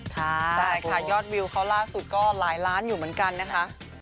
ใช่ค่ะยอดวิวเขาล่าสุดก็หลายล้านอยู่เหมือนกันนะคะ